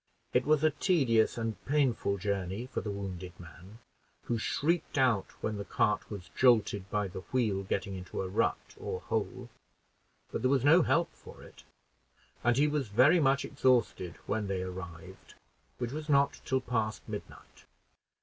It was a tedious and painful journey for the wounded man, who shrieked out when the cart was jolted by the wheel getting into a rut or hole; but there was no help for it, and he was very much exhausted when they arrived, which was not till past midnight.